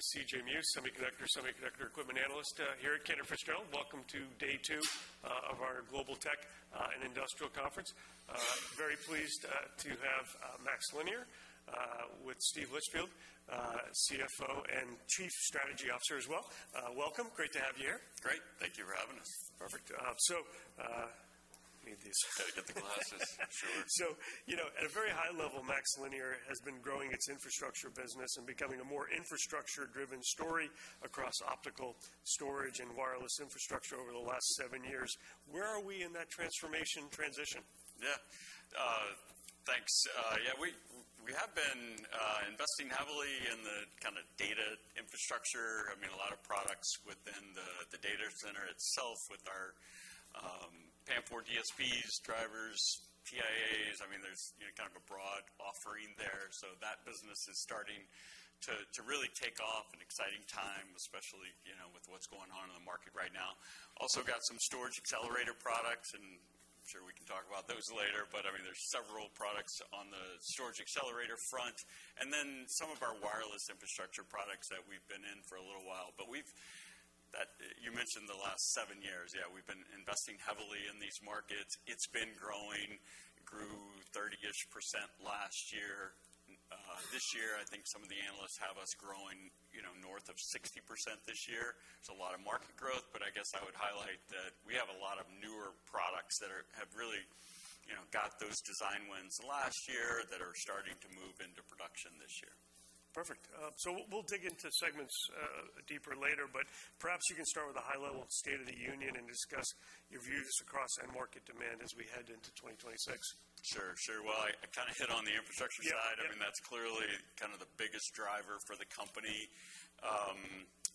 Good morning. My name is CJ Muse, Semiconductor Equipment Analyst here at Cantor Fitzgerald. Welcome to day two of our Global Tech and Industrial Conference. Very pleased to have MaxLinear with Steve Litchfield, CFO and Chief Strategy Officer as well. Welcome. Great to have you here. Great. Thank you for having us. Perfect. Need these. Gotta get the glasses. Sure. You know, at a very high level, MaxLinear has been growing its infrastructure business and becoming a more infrastructure-driven story across optical storage and wireless infrastructure over the last seven years. Where are we in that transformation transition? Yeah. Thanks. Yeah, we have been investing heavily in the kind of data infrastructure. I mean, a lot of products within the data center itself with our PAM4 DSPs, drivers, TIAs. I mean, there's, you know, kind of a broad offering there. So that business is starting to really take off, an exciting time, especially, you know, with what's going on in the market right now. Also got some storage accelerator products, and I'm sure we can talk about those later, but I mean, there's several products on the storage accelerator front, and then some of our wireless infrastructure products that we've been in for a little while. You mentioned the last seven years. Yeah, we've been investing heavily in these markets. It's been growing. Grew 30-ish% last year. This year, I think some of the analysts have us growing, you know, north of 60% this year. There's a lot of market growth, but I guess I would highlight that we have a lot of newer products that have really, you know, got those design wins last year that are starting to move into production this year. Perfect. We'll dig into segments deeper later, but perhaps you can start with a high-level state of the union and discuss your views across end market demand as we head into 2026. Sure. Well, I kinda hit on the infrastructure side. Yep. Yep. I mean, that's clearly kind of the biggest driver for the company.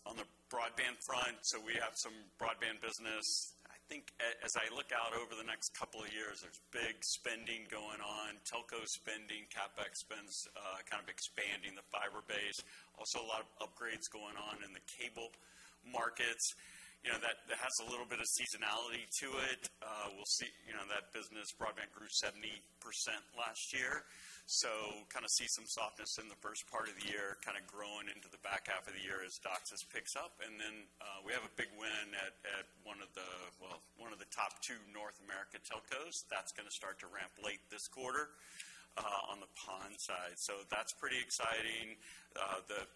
On the broadband front, we have some broadband business. I think as I look out over the next couple of years, there's big spending going on, telco spending, CapEx spends, kind of expanding the fiber base. Also a lot of upgrades going on in the cable markets. You know, that has a little bit of seasonality to it. We'll see, you know, that broadband business grew 70% last year. Kinda see some softness in the first part of the year, kinda growing into the back half of the year as DOCSIS picks up. We have a big win at one of the top two North American telcos. That's gonna start to ramp late this quarter on the PON side. That's pretty exciting.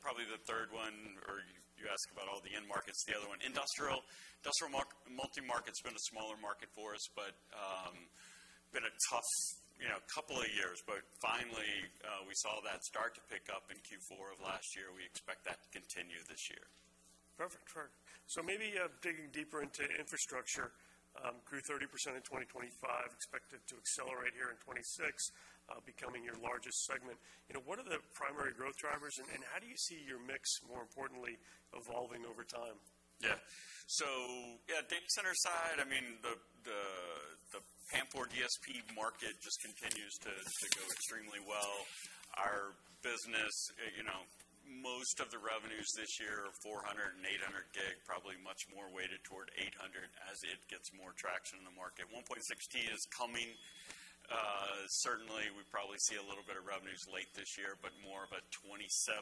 Probably the third one, or you asked about all the end markets, the other one, industrial. Industrial multi-market's been a smaller market for us, but been a tough, you know, couple of years. Finally, we saw that start to pick up in Q4 of last year. We expect that to continue this year. Perfect. Sure. Maybe digging deeper into infrastructure, grew 30% in 2025, expected to accelerate here in 2026, becoming your largest segment. You know, what are the primary growth drivers, and how do you see your mix, more importantly, evolving over time? Yeah. Yeah, data center side, I mean, the PAM4 DSP market just continues to go extremely well. Our business, you know, most of the revenues this year, 400 and 800 gig, probably much more weighted toward 800 as it gets more traction in the market. 1.6T is coming. Certainly, we probably see a little bit of revenues late this year, but more of a 2027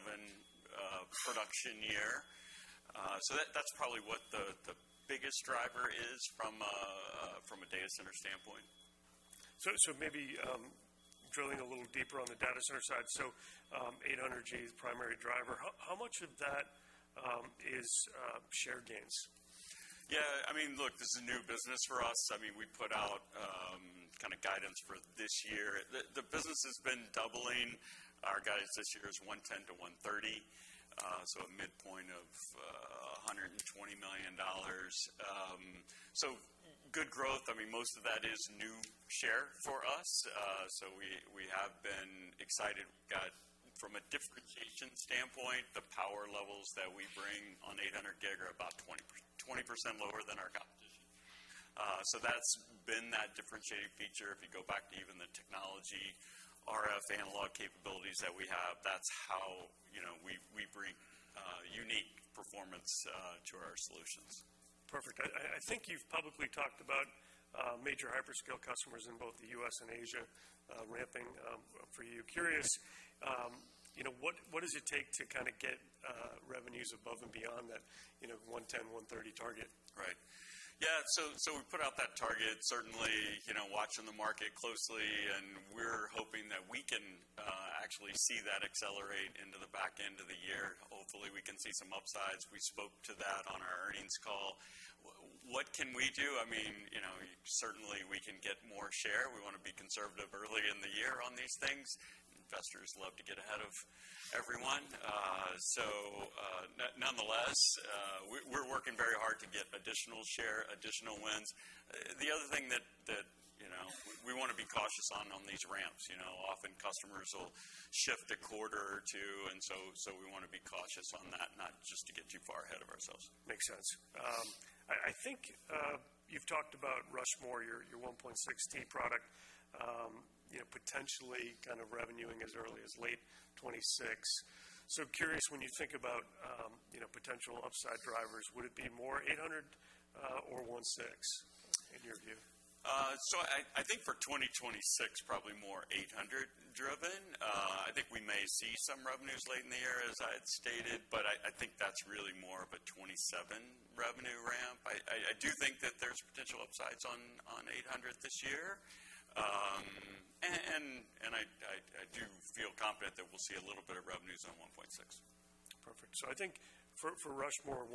production year. So that's probably what the biggest driver is from a data center standpoint. Maybe drilling a little deeper on the data center side. 800G is the primary driver. How much of that is share gains? Yeah, I mean, look, this is a new business for us. I mean, we put out kind of guidance for this year. The business has been doubling. Our guidance this year is $110 million-$130 million, so a midpoint of $120 million. So good growth. I mean, most of that is new share for us. So we have been excited. From a differentiation standpoint, the power levels that we bring on 800 gig are about 20% lower than our competition. So that's been the differentiating feature. If you go back to even the technology RF Analog capabilities that we have, that's how, you know, we bring unique performance to our solutions. Perfect. I think you've publicly talked about major hyperscale customers in both the U.S. and Asia ramping, you know, what does it take to kinda get revenues above and beyond that, you know, $110-$130 target? We put out that target, certainly, you know, watching the market closely, and we're hoping that we can actually see that accelerate into the back end of the year. Hopefully, we can see some upsides. We spoke to that on our earnings call. What can we do? I mean, you know, certainly we can get more share. We wanna be conservative early in the year on these things. Investors love to get ahead of everyone. Nonetheless, we're working very hard to get additional share, additional wins. The other thing that, you know, we wanna be cautious on these ramps. You know, often customers will shift a quarter or two, and so we wanna be cautious on that, not just to get too far ahead of ourselves. Makes sense. I think you've talked about Rushmore, your 1.6T product, you know, potentially kind of revenuing as early as late 2026. Curious, when you think about, you know, potential upside drivers, would it be more 800, or 1.6 in your view? I think for 2026, probably more 800 driven. I think we may see some revenues late in the year, as I had stated, but I do think that there's potential upsides on 800 this year. And we feel confident that we'll see a little bit of revenues on 1.6. Perfect. I think for Rushmore 1.6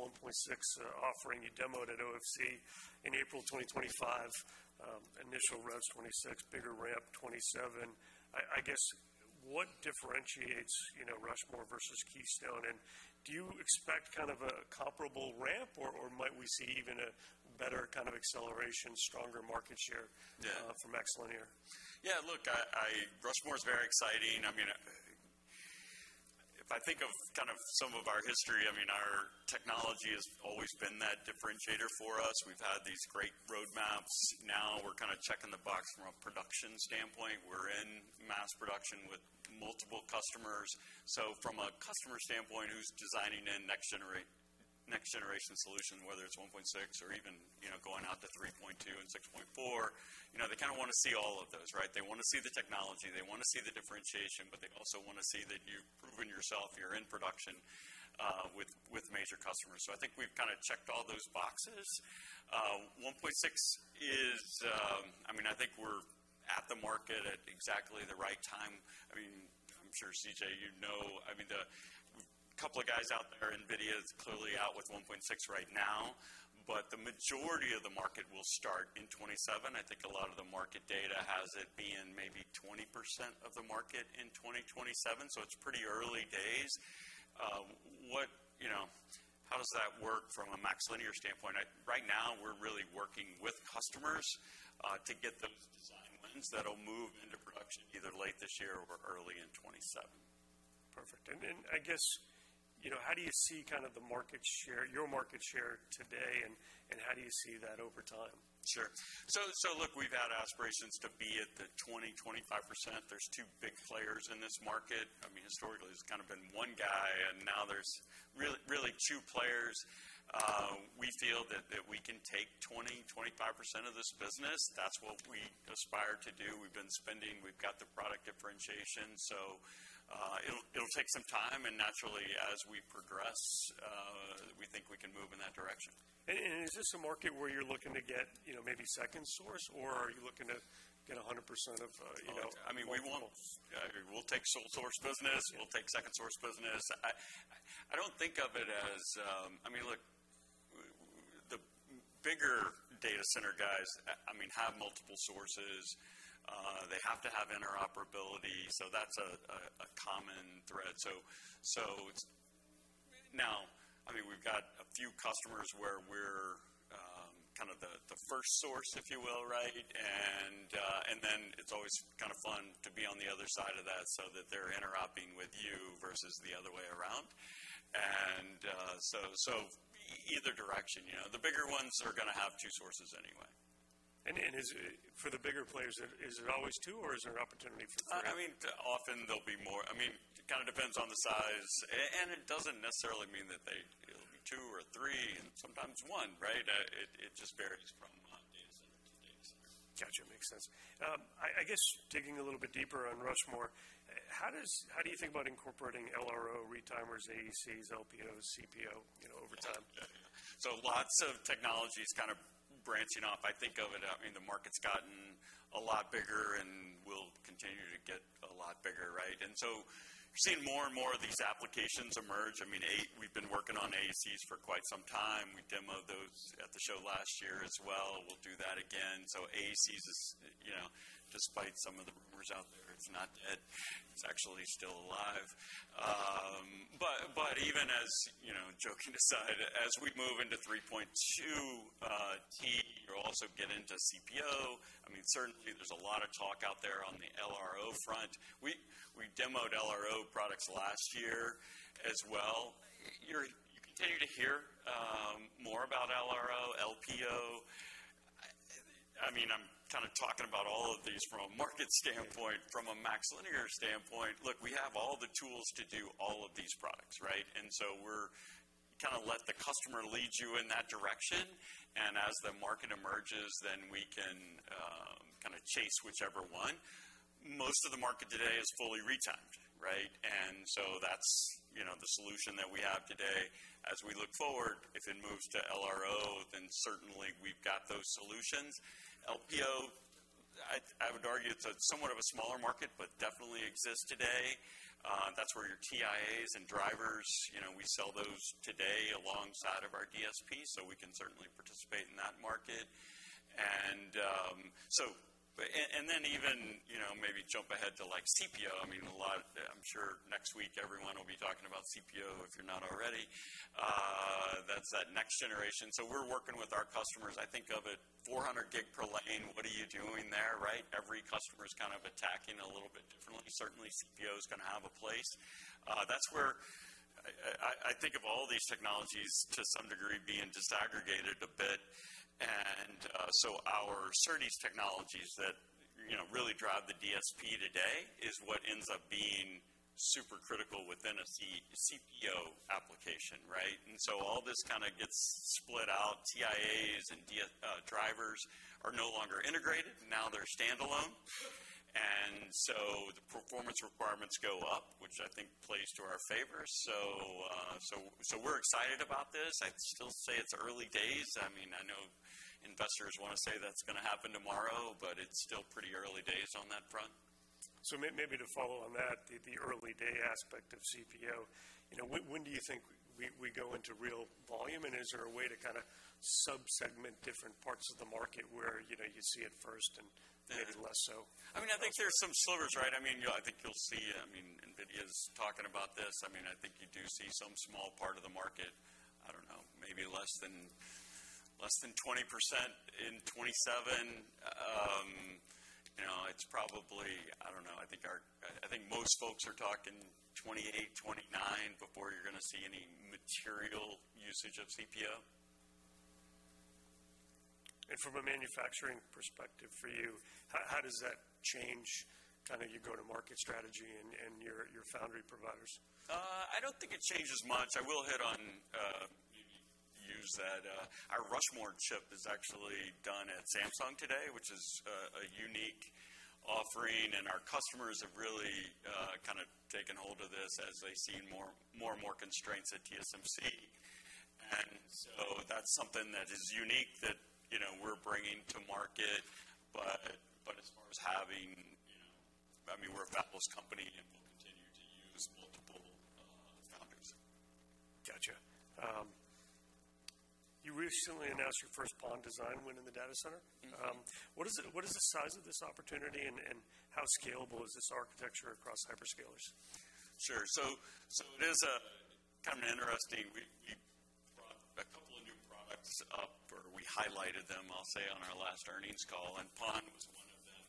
offering you demoed at OFC in April 2025, initial revs 2026, bigger ramp 2027. I guess what differentiates, you know, Rushmore versus Keystone? Do you expect kind of a comparable ramp or might we see even a better kind of acceleration, stronger market share? Yeah. from MaxLinear? Yeah. Look, Rushmore is very exciting. I mean, if I think of kind of some of our history, I mean, our technology has always been that differentiator for us. We've had these great roadmaps, now we're kind of checking the box from a production standpoint. We're in mass production with multiple customers. From a customer standpoint, who's designing in next generation solution, whether it's 1.6 or even, you know, going out to 3.2 and 6.4, you know, they kind of want to see all of those, right? They want to see the technology, they want to see the differentiation, but they also want to see that you've proven yourself, you're in production, with major customers. I think we've kind of checked all those boxes. 1.6 is, I mean, I think we're at the market at exactly the right time. I mean, I'm sure, CJ, you know, I mean, the couple of guys out there, NVIDIA is clearly out with 1.6 right now, but the majority of the market will start in 2027. I think a lot of the market data has it being maybe 20% of the market in 2027, so it's pretty early days. You know, how does that work from a MaxLinear standpoint? Right now, we're really working with customers to get those design wins that'll move into production either late this year or early in 2027. Perfect. I guess, you know, how do you see kind of the market share, your market share today and how do you see that over time? Sure. Look, we've had aspirations to be at the 20%-25%. There are two big players in this market. I mean, historically, there's kind of been one guy, and now there's really two players. We feel that we can take 20%-25% of this business. That's what we aspire to do. We've been spending, we've got the product differentiation, so it'll take some time, and naturally, as we progress, we think we can move in that direction. Is this a market where you're looking to get, you know, maybe second source, or are you looking to get 100% of, you know? I mean, we'll take sole source business, we'll take second source business. I don't think of it as. I mean, look, the bigger data center guys, I mean, have multiple sources. They have to have interoperability, so that's a common thread. Now, I mean, we've got a few customers where we're kind of the first source, if you will, right? Then it's always kind of fun to be on the other side of that so that they're interoperating with you versus the other way around. Either direction, you know. The bigger ones are gonna have two sources anyway. Is it for the bigger players always two, or is there opportunity for three? I mean, often there'll be more. I mean, it kind of depends on the size. It doesn't necessarily mean that. It'll be two or three, and sometimes one, right? It just varies from data center to data center. Got you. Makes sense. I guess digging a little bit deeper on Rushmore, how do you think about incorporating LRO, retimers, AECs, LPOs, CPO, you know, over time? Lots of technologies kind of branching off. I think of it, I mean, the market's gotten a lot bigger and will continue to get a lot bigger, right? You're seeing more and more of these applications emerge. I mean, we've been working on AECs for quite some time. We demoed those at the show last year as well. We'll do that again. AECs is, you know, despite some of the rumors out there, it's not dead. It's actually still alive. But even as, you know, joking aside, as we move into 3.2 T, you'll also get into CPO. I mean, certainly there's a lot of talk out there on the LRO front. We demoed LRO products last year as well. You continue to hear more about LRO, LPO. I mean, I'm kind of talking about all of these from a market standpoint. From a MaxLinear standpoint, look, we have all the tools to do all of these products, right? We're kind of let the customer lead you in that direction, and as the market emerges, then we can kind of chase whichever one. Most of the market today is fully retimed, right? That's, you know, the solution that we have today. As we look forward, if it moves to LRO, then certainly we've got those solutions. LPO, I would argue it's a somewhat of a smaller market, but definitely exists today. That's where your TIAs and drivers, you know, we sell those today alongside of our DSP, so we can certainly participate in that market. And then even, you know, maybe jump ahead to like CPO. I mean, I'm sure next week everyone will be talking about CPO, if you're not already. That's the next generation. We're working with our customers. I think of it 400 gig per lane. What are you doing there, right? Every customer is kind of attacking a little bit differently. Certainly, CPO is gonna have a place. That's where I think of all these technologies to some degree being disaggregated a bit. Our SerDes technologies that, you know, really drive the DSP today is what ends up being super critical within a CPO application, right? All this kind of gets split out. TIAs and drivers are no longer integrated, now they're standalone. The performance requirements kind of, which I think plays to our favor. We're excited about this. I'd still say it's early days. I mean, I know investors wanna say that's gonna happen tomorrow, but it's still pretty early days on that front. Maybe to follow on that, the early day aspect of CPO, you know, when do you think we go into real volume? Is there a way to kinda sub-segment different parts of the market where, you know, you see it first and- Yeah. Maybe less so? I mean, I think there's some slivers, right? I mean, I think you'll see. I mean, NVIDIA's talking about this. I mean, I think you do see some small part of the market, I don't know, maybe less than 20% in 2027. You know, it's probably, I don't know, I think most folks are talking 2028, 2029 before you're gonna see any material usage of CPO. From a manufacturing perspective for you, how does that change kinda your go-to-market strategy and your foundry providers? I don't think it changes much. I will hit on use that our Rushmore chip is actually done at Samsung today, which is a unique offering, and our customers have really kind of taken hold of this as they've seen more and more constraints at TSMC. That's something that is unique that, you know, we're bringing to market. As far as having, you know, I mean, we're a fabless company, and we'll continue to use multiple foundries. Gotcha. You recently announced your first PON design win in the data center. Mm-hmm. What is it? What is the size of this opportunity, and how scalable is this architecture across hyperscalers? Sure. It is kind of interesting. We brought a couple of new products up, or we highlighted them, I'll say, on our last earnings call, and PON was one of them.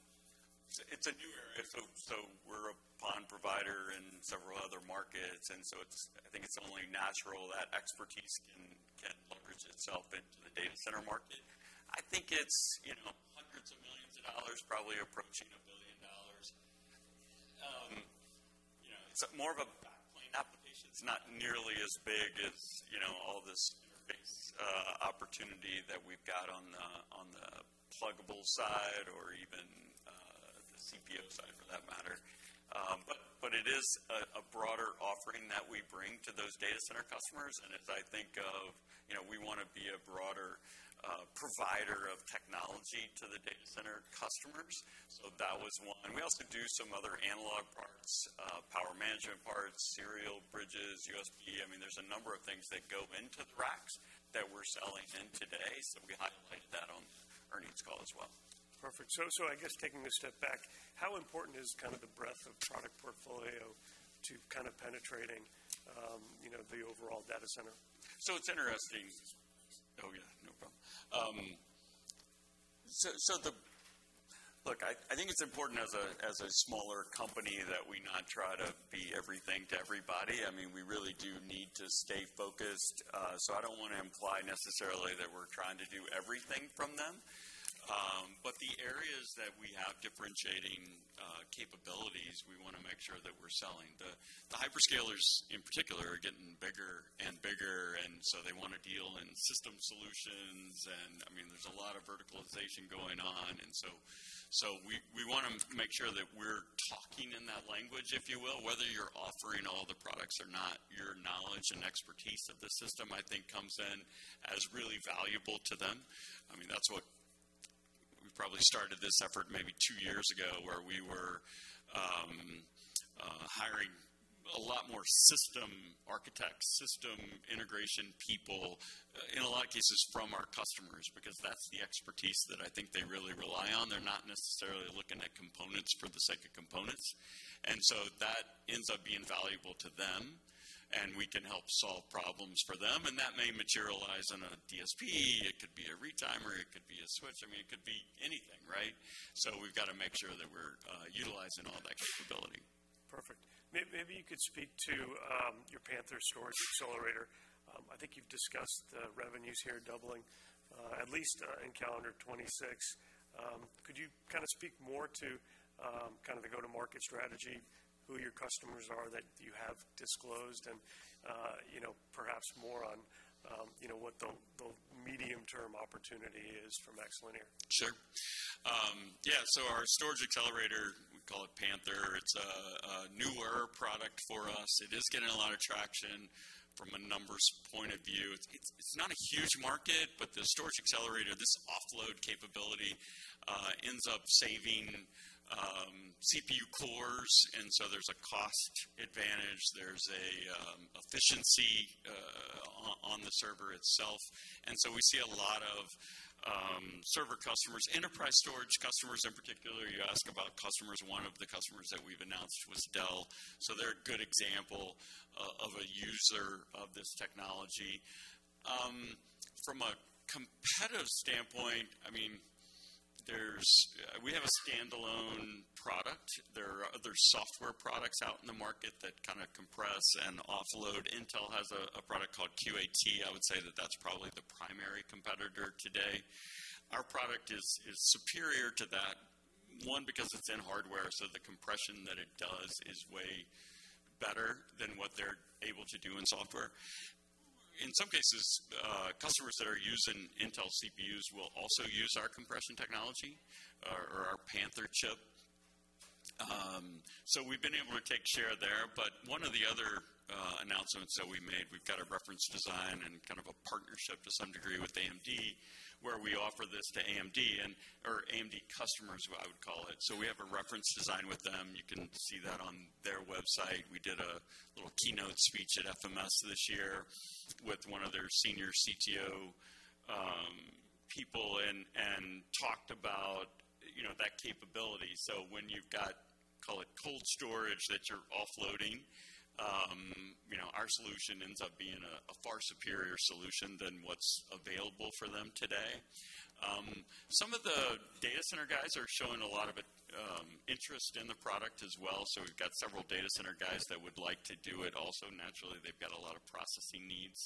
It's a new area, so we're a PON provider in several other markets. It's only natural that expertise can leverage itself into the data center market. I think it's, you know, hundreds of millions of dollars, probably approaching a billion dollars. You know, it's more of a backplane application. It's not nearly as big as, you know, all this opportunity that we've got on the pluggable side or even the CPO side for that matter. It is a broader offering that we bring to those data center customers, and as I think of, you know, we wanna be a broader provider of technology to the data center customers, so that was one. We also do some other analog parts, power management parts, serial bridges, USB. I mean, there's a number of things that go into the racks that we're selling in today, so we highlighted that on the earnings call as well. Perfect. I guess taking a step back, how important is kind of the breadth of product portfolio to kind of penetrating, you know, the overall data center? It's interesting. Just one moment please. Oh, yeah, no problem. Look, I think it's important as a smaller company that we not try to be everything to everybody. I mean, we really do need to stay focused, so I don't wanna imply necessarily that we're trying to do everything from them. But the areas that we have differentiating capabilities, we wanna make sure that we're selling. The Hyperscalers, in particular, are getting bigger and bigger, and so they wanna deal in system solutions and, I mean, there's a lot of verticalization going on. We wanna make sure that we're talking in that language, if you will. Whether you're offering all the products or not, your knowledge and expertise of the system, I think comes in as really valuable to them. I mean, that's what we probably started this effort maybe two years ago, where we were hiring a lot more system architects, system integration people, in a lot of cases from our customers, because that's the expertise that I think they really rely on. They're not necessarily looking at components for the sake of components. That ends up being valuable to them, and we can help solve problems for them, and that may materialize in a DSP. It could be a retimer. It could be a switch. I mean, it could be anything, right? We've got to make sure that we're utilizing all that capability. Perfect. Maybe you could speak to your Panther storage accelerator. I think you've discussed the revenues here doubling at least in calendar 2026. Could you kinda speak more to kind of the go-to-market strategy, who your customers are that you have disclosed and, you know, perhaps more on, you know, what the medium-term opportunity is for MaxLinear? Sure. Our storage accelerator, we call it Panther. It's a newer product for us. It is getting a lot of traction from a numbers point of view. It's not a huge market, but the storage accelerator, this offload capability, ends up saving CPU cores, and so there's a cost advantage. There's a efficiency on the server itself. We see a lot of server customers, enterprise storage customers in particular. You ask about customers, one of the customers that we've announced was Dell, so they're a good example of a user of this technology. From a competitive standpoint, I mean, we have a standalone product. There are other software products out in the market that kind of compress and offload. Intel has a product called QAT. I would say that's probably the primary competitor today. Our product is superior to that one because it's in hardware, so the compression that it does is way better able to do in software. In some cases, customers that are using Intel CPUs will also use our compression technology or our Panther chip. We've been able to take share there, but one of the other announcements that we made, we've got a reference design and kind of a partnership to some degree with AMD, where we offer this to AMD or AMD customers, I would call it. We have a reference design with them. You can see that on their website. We did a little keynote speech at FMS this year with one of their senior CTO people and talked about you know that capability. When you've got, call it cold storage that you're offloading, our solution ends up being a far superior solution than what's available for them today. Some of the data center guys are showing a lot of interest in the product as well, so we've got several data center guys that would like to do it also. Naturally, they've got a lot of processing needs,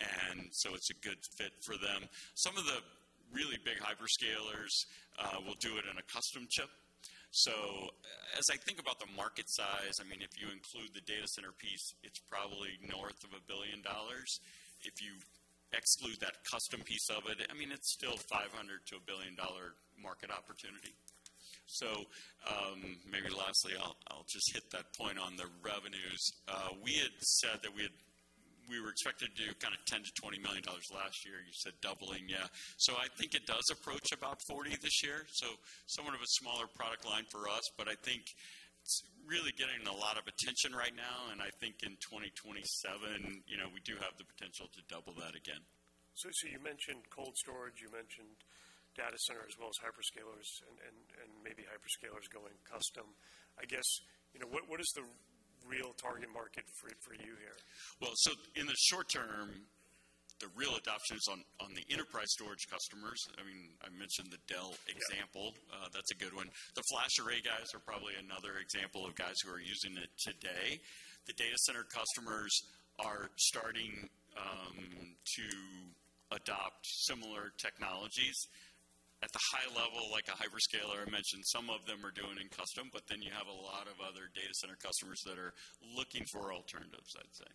and so it's a good fit for them. Some of the really big Hyperscalers will do it in a custom chip. As I think about the market size, I mean, if you include the data center piece, it's probably north of $1 billion. If you exclude that custom piece of it, I mean, it's still $500 million to $1 billion market opportunity. Maybe lastly, I'll just hit that point on the revenues. We were expected to do kind of $10-$20 million last year. You said doubling. Yeah. I think it does approach about $40 million this year. Somewhat of a smaller product line for us, but I think it's really getting a lot of attention right now, and I think in 2027, you know, we do have the potential to double that again. You mentioned cold storage, you mentioned data center as well as Hyperscalers and maybe Hyperscalers going custom. I guess, you know, what is the real target market for you here? Well, in the short term, the real adoption is on the enterprise storage customers. I mean, I mentioned the Dell example. Yeah. That's a good one. The FlashArray guys are probably another example of guys who are using it today. The data center customers are starting to adopt similar technologies. At the high level, like a Hyperscaler, I mentioned some of them are doing in custom, but then you have a lot of other data center customers that are looking for alternatives, I'd say.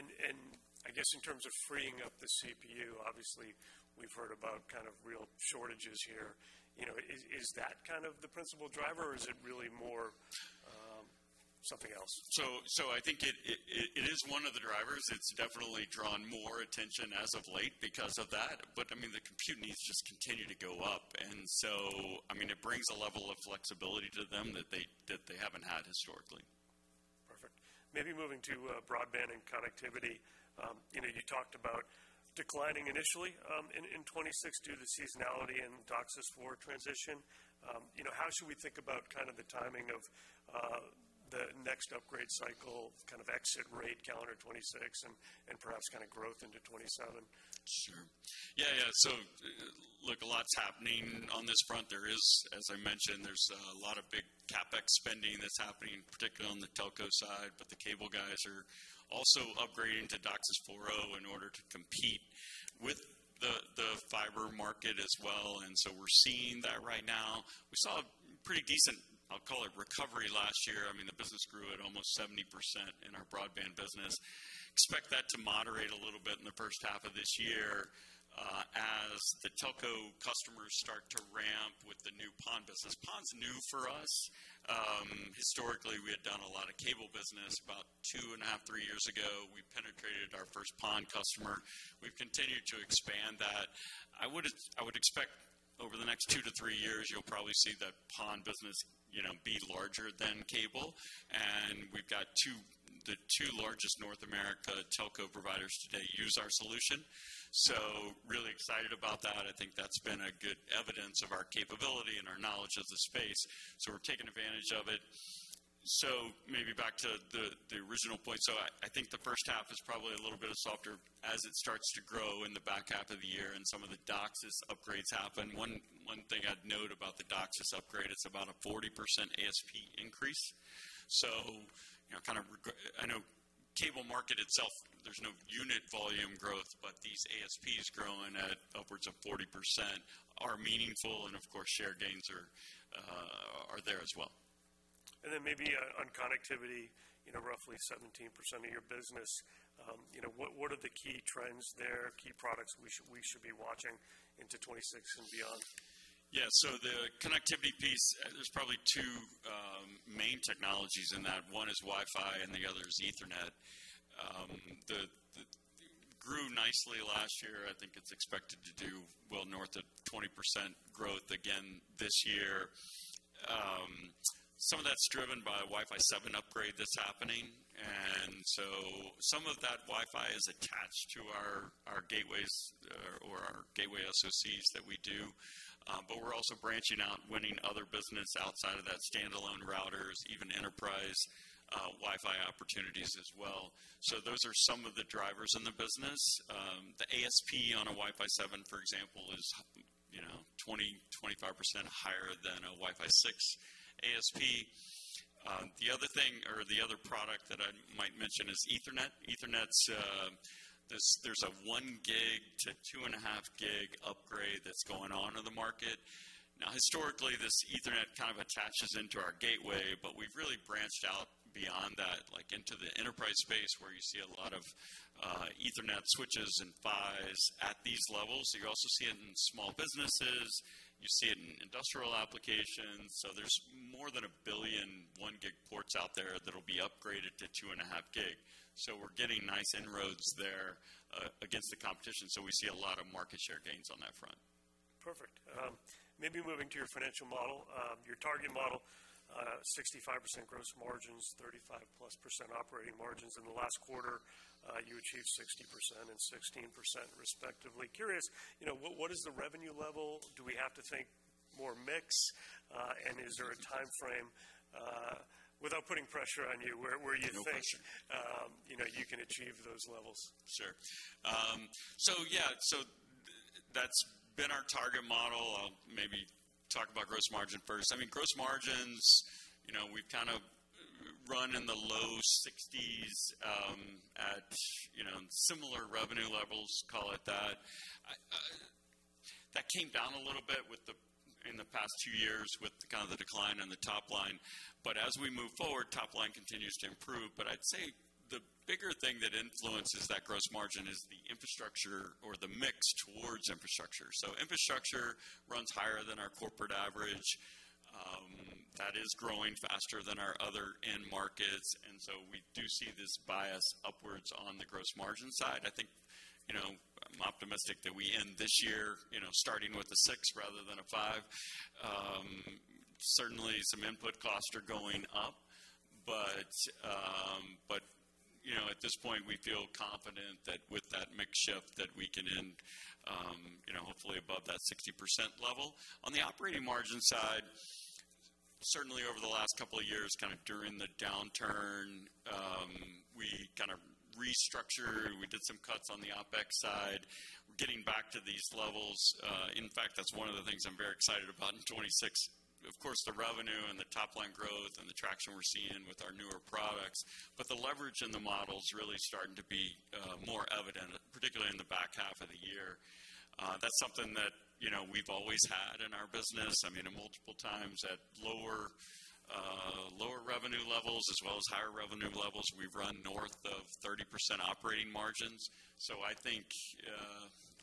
I guess in terms of freeing up the CPU, obviously we've heard about kind of real shortages here. You know, is that kind of the principal driver, or is it really more, something else? I think it is one of the drivers. It's definitely drawn more attention as of late because of that. I mean, the compute needs just continue to go up. I mean, it brings a level of flexibility to them that they haven't had historically. Perfect. Maybe moving to broadband and connectivity. You know, you talked about declining initially in 2026 due to seasonality and DOCSIS 4.0 transition. You know, how should we think about the timing of the next upgrade cycle, exit rate calendar 2026 and perhaps growth into 2027? Sure. Yeah, yeah. Look, a lot's happening on this front. As I mentioned, there's a lot of big CapEx spending that's happening, particularly on the telco side, but the cable guys are also upgrading to DOCSIS 4.0 in order to compete with the fiber market as well. We're seeing that right now. We saw a pretty decent, I'll call it, recovery last year. I mean, the business grew at almost 70% in our broadband business. Expect that to moderate a little bit in the first half of this year as the telco customers start to ramp with the new PON business. PON's new for us. Historically, we had done a lot of cable business. About 2.5-3 years ago, we penetrated our first PON customer. We've continued to expand that. I would expect over the next 2-3 years, you'll probably see the PON business, you know, be larger than cable. We've got the two largest North American telco providers today use our solution. Really excited about that. I think that's been a good evidence of our capability and our knowledge of the space. We're taking advantage of it. Maybe back to the original point. I think the first half is probably a little bit softer as it starts to grow in the back half of the year and some of the DOCSIS upgrades happen. One thing I'd note about the DOCSIS upgrade, it's about a 40% ASP increase. You know, I know cable market itself, there's no unit volume growth, but these ASPs growing at upwards of 40% are meaningful, and of course, share gains are there as well. Then maybe on connectivity, you know, roughly 17% of your business. You know, what are the key trends there, key products we should be watching into 2026 and beyond? Yeah. The connectivity piece, there's probably two main technologies in that. One is Wi-Fi and the other is Ethernet. It grew nicely last year. I think it's expected to do well north of 20% growth again this year. Some of that's driven by Wi-Fi 7 upgrade that's happening. Some of that Wi-Fi is attached to our gateways or our gateway SoCs that we do. We're also branching out, winning other business outside of that, standalone routers, even enterprise Wi-Fi opportunities as well. Those are some of the drivers in the business. The ASP on a Wi-Fi 7, for example, is, you know, 25% higher than a Wi-Fi 6 ASP. The other thing or the other product that I might mention is Ethernet. Ethernet's, there's a one gig to 2.5 gig upgrade that's going on in the market. Now historically, this Ethernet kind of attaches into our gateway, but we've really branched out beyond that, like into the enterprise space, where you see a lot of Ethernet switches and PHYs at these levels. You also see it in small businesses, you see it in industrial applications. There's more than one billion one gig ports out there that'll be upgraded to 2.5 gig. We're getting nice inroads there against the competition. We see a lot of market share gains on that front. Perfect. Maybe moving to your financial model. Your target model, 65% gross margins, 35%+ operating margins. In the last quarter, you achieved 60% and 16% respectively. Curious, you know, what is the revenue level? Do we have to think more mix? And is there a timeframe, without putting pressure on you where you think- No pressure. You know you can achieve those levels? Sure, yeah, that's been our target model. I'll maybe talk about gross margin first. I mean, gross margins, you know, we've kind of run in the low 60s%, at you know, similar revenue levels, call it that. That came down a little bit in the past two years with kind of the decline on the top line. As we move forward, top line continues to improve. I'd say the bigger thing that influences that gross margin is the infrastructure or the mix towards infrastructure. Infrastructure runs higher than our corporate average, that is growing faster than our other end markets. We do see this bias upwards on the gross margin side. I think, you know, I'm optimistic that we end this year, you know, starting with a six rather than a five. Certainly some input costs are going up. At this point, we feel confident that with that mix shift that we can end, you know, hopefully above that 60% level. On the operating margin side, certainly over the last couple of years, kind of during the downturn, we kind of restructured. We did some cuts on the OpEx side. We're getting back to these levels. In fact, that's one of the things I'm very excited about in 2026. Of course, the revenue and the top line growth and the traction we're seeing with our newer products. The leverage in the model is really starting to be more evident, particularly in the back half of the year. That's something that, you know, we've always had in our business. I mean, multiple times at lower revenue levels as well as higher revenue levels, we've run north of 30% operating margins. I think,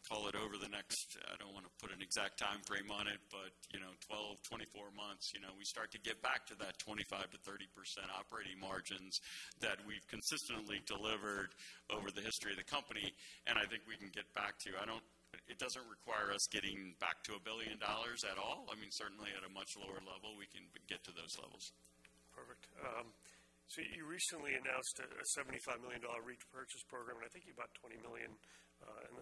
call it over the next, I don't wanna put an exact timeframe on it, but, you know, 12, 24 months, you know, we start to get back to that 25%-30% operating margins that we've consistently delivered over the history of the company. I think we can get back to. It doesn't require us getting back to $1 billion at all. I mean, certainly at a much lower level, we can get to those levels. Perfect. You recently announced a $75 million repurchase program, and I think you bought $20 million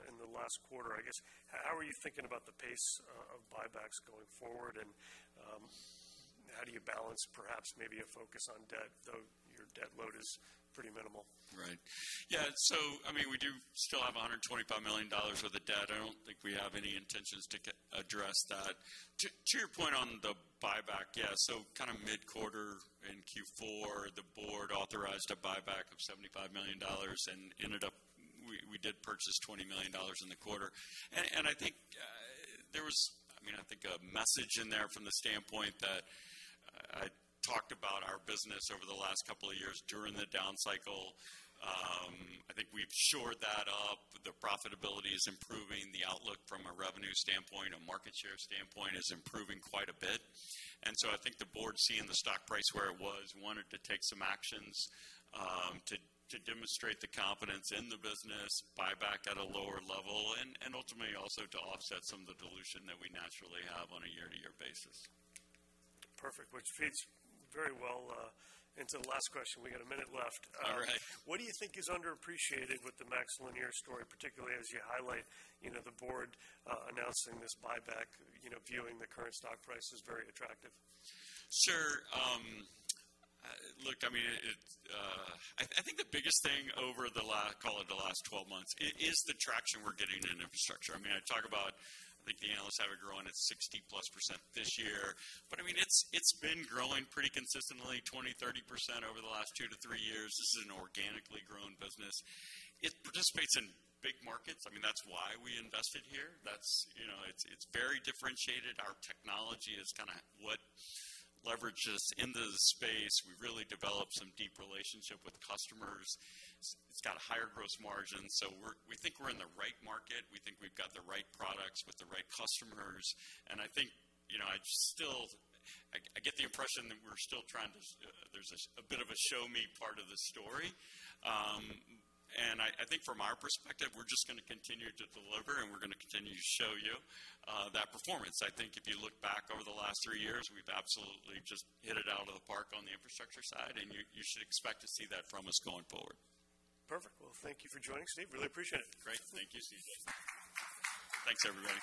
in the last quarter, I guess. How are you thinking about the pace of buybacks going forward? How do you balance perhaps maybe a focus on debt, though your debt load is pretty minimal? Right. Yeah. I mean, we do still have $125 million worth of debt. I don't think we have any intentions to address that. To your point on the buyback, yeah, so kind of mid-quarter in Q4, the board authorized a buyback of $75 million and ended up we did purchase $20 million in the quarter. I think there was, I mean, I think a message in there from the standpoint that I talked about our business over the last couple of years during the down cycle. I think we've shored that up. The profitability is improving. The outlook from a revenue standpoint, a market share standpoint is improving quite a bit. I think the board, seeing the stock price where it was, wanted to take some actions, to demonstrate the confidence in the business, buy back at a lower level and ultimately also to offset some of the dilution that we naturally have on a year-to-year basis. Perfect. Which fits very well into the last question. We got a minute left. All right. What do you think is underappreciated with the MaxLinear story, particularly as you highlight, you know, the board announcing this buyback, you know, viewing the current stock price as very attractive? Sure. Look, I mean, I think the biggest thing over the last 12 months is the traction we're getting in infrastructure. I mean, I talk about, I think the analysts have it growing at 60+% this year, but I mean, it's been growing pretty consistently 20%-30% over the last two to three years. This is an organically grown business. It participates in big markets. I mean, that's why we invested here. That's, you know, it's very differentiated. Our technology is kinda what leverages into the space. We really developed some deep relationship with customers. It's got a higher gross margin. We think we're in the right market. We think we've got the right products with the right customers. I think, you know, I get the impression that there's a bit of a show me part of the story. I think from our perspective, we're just gonna continue to deliver, and we're gonna continue to show you that performance. I think if you look back over the last three years, we've absolutely just hit it out of the park on the infrastructure side, and you should expect to see that from us going forward. Perfect. Well, thank you for joining us, Steve. Really appreciate it. Great. Thank you, CJ. Thanks, everybody.